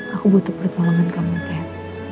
aku butuh perlindungan kamu kat